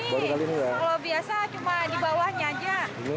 baru ini kalau biasa cuma di bawahnya aja